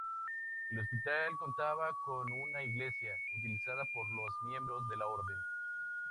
El hospital contaba con una iglesia, utilizada por los miembros de la Orden.